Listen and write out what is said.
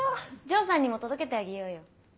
城さんにも届けてあげようよ。